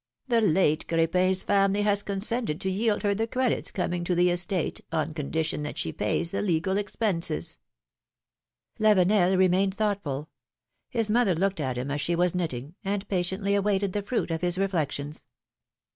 The late Cr^pin's family has consented to yield her the credits coming to the estate, on condition that she pays the legal expenses,'^ philomI:ne's marriages. 3e3 Lavenel remained thoughtful; his mother looked at him, as she was knitting, and patiently awaited the fruit of his reflections.